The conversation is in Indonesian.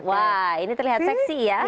wah ini terlihat seksi ya